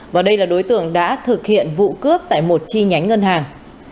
và đây là đối tượng đã thực hiện vụ cướp tại một chi nhánh ngân hàng